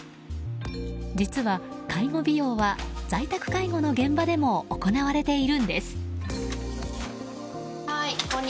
実は、介護美容は在宅介護の現場でも行われているんです。